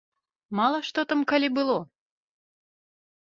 Мала што там калі было!